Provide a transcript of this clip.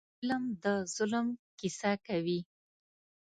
فلم د ظلم کیسه کوي